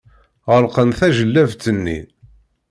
Ɣelqen tajellabt-nni.